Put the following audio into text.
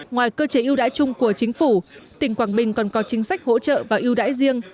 ngoài cơ chế ưu đãi chung của chính phủ tỉnh quảng bình còn có chính sách hỗ trợ và ưu đãi riêng